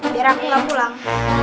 biar aku gak pulang